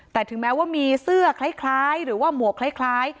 แต่ถึงแม้ว่ามีเสื้อคล้ายหรือว่าหมวกคล้าย